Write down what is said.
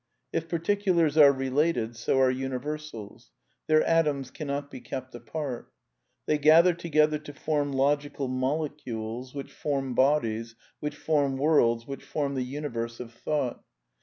If particulars are related^ so are universals. Their atoms cannot be kept apart. They gather together tto^form logical molecules, which form bodies, which form worlds, which form the universe of thought.